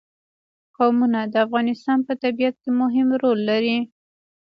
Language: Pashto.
قومونه د افغانستان په طبیعت کې مهم رول لري.